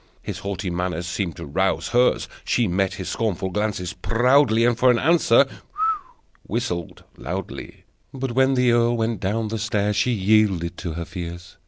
His haughty manner seemed to rouse hers. She met his scornful glances proudly But when the earl went down the stair She yielded to her fears.